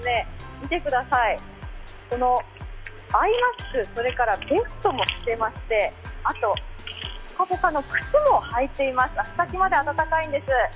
見てください、アイマスク、ベストも着てましてあとぽかぽかの靴も履いています、足先まで暖かいんです。